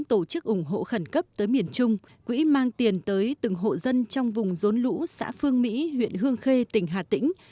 tổ chức ủng hộ khẩn cấp tới miền trung quỹ mang tiền tới từng hộ dân trong vùng rốn lũ xã phương mỹ huyện hương khê tỉnh hà tĩnh